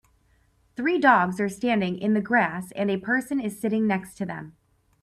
Three dogs are standing in the grass and a person is sitting next to them